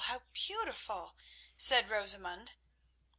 how beautiful!" said Rosamund.